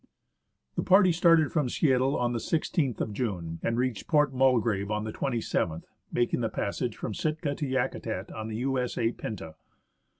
The party started from Seattle on the i6th of June, and reached Port Mulgrave on the 27th, making the passage from Sitka to Yakutat on the U.S.A. Pinta.